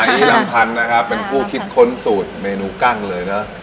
อันนี้ลำพันธ์นะครับเป็นผู้คิดค้นสูตรเมนูกั้งเลยเนอะ